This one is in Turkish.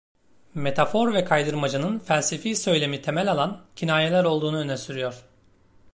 Metafor ve kaydırmacanın felsefi söylemi temel alan kinayeler olduğunu öne sürüyor.